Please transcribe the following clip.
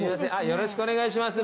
よろしくお願いします。